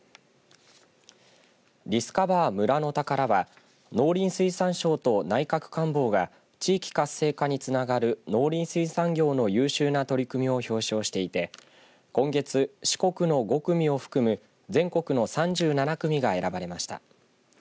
ディスカバー農山漁村の宝は農林水産省と内閣官房が地域活性化につながる農林水産業の優秀な取り組みを表彰していて今月、四国の５組を含む全国の３７組が選ばれました。